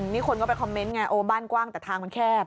นี่คนก็ไปคอมเมนต์ไงโอ้บ้านกว้างแต่ทางมันแคบ